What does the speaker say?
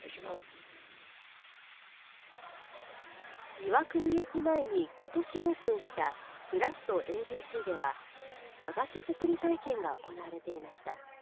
岩国駅前に今年オープンしたＰＬＡＴＡＢＣでは和菓子作り体験が行われていました。